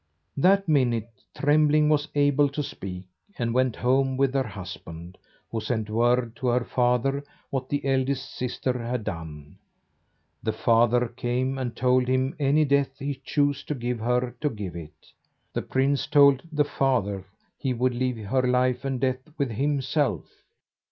That minute Trembling was able to speak, and went home with her husband, who sent word to her father what the eldest sister had done. The father came, and told him any death he chose to give her to give it. The prince told the father he would leave her life and death with himself.